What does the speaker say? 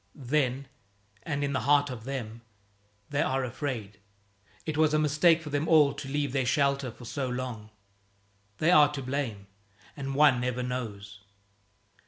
Then, and in the heart of them, they are afraid. It was a mistake for them all to leave their shelter for so long. They are to blame. And one never knows.